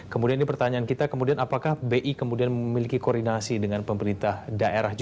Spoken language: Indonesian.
kemudian ini pertanyaan kita kemudian apakah bi kemudian memiliki koordinasi dengan pemerintah daerah